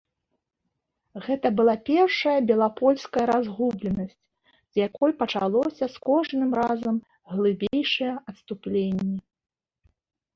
Гэта была першая белапольская разгубленасць, з якой пачалося з кожным разам глыбейшае адступленне.